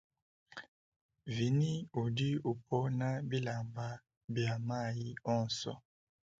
Vinie udi upona bilamba bia mayi onso.